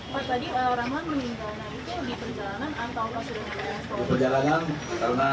pak tadi orang orang menyingkirkan itu di perjalanan atau pasir perjalanan